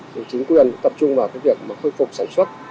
thì chính quyền tập trung vào cái việc mà khôi phục sản xuất